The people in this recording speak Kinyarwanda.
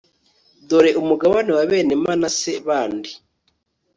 dore umugabane wa bene manase bandi